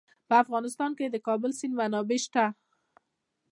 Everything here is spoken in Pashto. په افغانستان کې د د کابل سیند منابع شته.